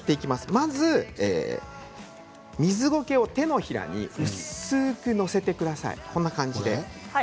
まず水ごけを手のひらに薄くのせてください。